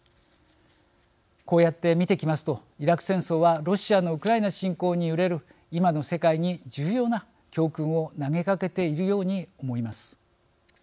こうやって見てきますとイラク戦争はロシアのウクライナ侵攻に揺れる今の世界に重要な教訓を投げかけているように思います。